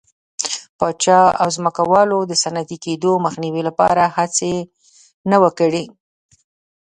پاچا او ځمکوالو د صنعتي کېدو مخنیوي لپاره هڅه نه وه کړې.